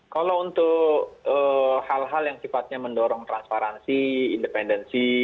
kalau untuk hal hal yang sifatnya mendorong transparansi independensi